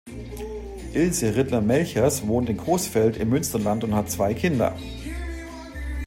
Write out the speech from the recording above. Ilse Ridder-Melchers wohnt in Coesfeld im Münsterland und hat zwei Kinder.